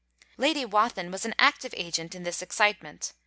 Lady Wathin was an active agent in this excitement.